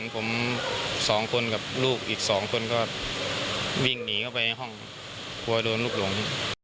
ผมสองคนกับลูกอีก๒คนก็วิ่งหนีเข้าไปห้องกลัวโดนลูกหลง